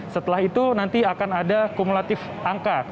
setelah itu nanti akan ada kumulatif angka